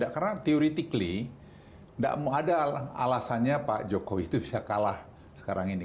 karena teoretically tidak ada alasannya pak jokowi itu bisa kalah sekarang ini